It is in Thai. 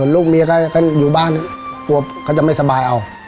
ลูกเมียก็อยู่บ้านกลัวเขาจะไม่สบายเอา